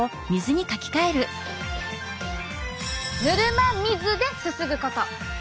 「ぬるま水ですすぐこと！」。